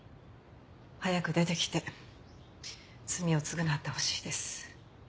早く出てきて罪を償ってほしいです。